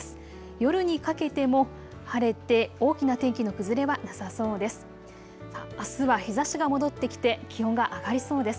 夜にかけても晴れて大きな天気の崩れはなさそうです。